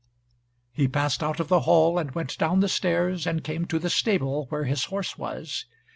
He passed out of the hall, and went down the stairs, and came to the stable where his horse was.